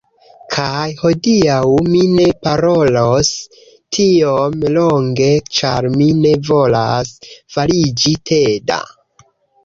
Kaj hodiaŭ mi ne parolos tiom longe ĉar mi ne volas fariĝi teda